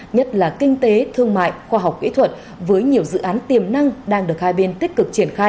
nhất là kinh tế thương mại khoa học kỹ thuật với nhiều dự án tiềm năng đang được hai bên tích cực triển khai